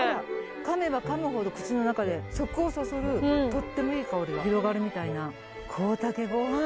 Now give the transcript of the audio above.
かめばかむほど口の中で食をそそるとってもいい香りが広がるみたいな。